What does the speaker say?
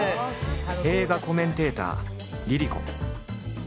映画コメンテーターＬｉＬｉＣｏ。